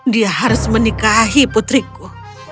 dia harus menikahi putriku